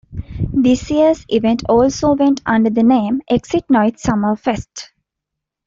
This year's event also went under the name 'Exit - Noise Summer Fest'.